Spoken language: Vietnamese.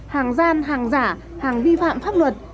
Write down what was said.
hàng giả hàng vi phạm pháp luật